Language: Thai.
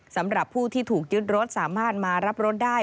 สำหรับผู้ที่ถูกยึดรถสามารถมารับรถได้